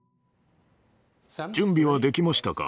準備はできましたか？